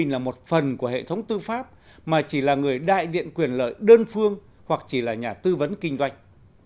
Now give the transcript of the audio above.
là một phần của hệ thống tư pháp mà chỉ là người đại diện quyền lợi đơn phương hoặc chỉ là nhà tư vấn kinh doanh